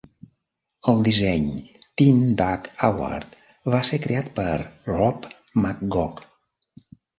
El disseny Tin Duck Award va ser creat per Rob McGough.